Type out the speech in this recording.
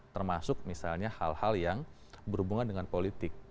termasuk misalnya hal hal yang berhubungan dengan politik